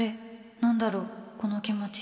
何だろう、この気持ち。